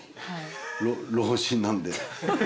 老人なんで。